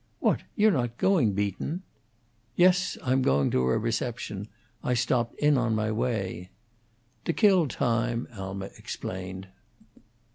"What! You're not going, Beaton?" "Yes; I'm going to a reception. I stopped in on my way." "To kill time," Alma explained.